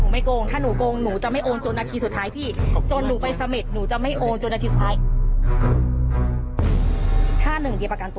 ดีกว่าดีกว่าดีกว่าดีกว่า